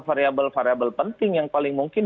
variabel variabel penting yang paling mungkin